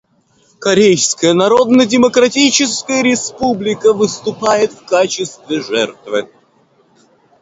Корейская Народно-Демократическая Республика выступает в качестве жертвы.